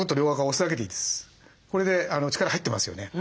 これで力入ってますよね。